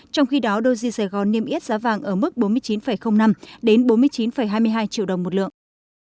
trong khi đó doge sài gòn niêm yết giá vàng ở mức bốn mươi chín năm đến bốn mươi chín hai mươi hai triệu đồng một lượng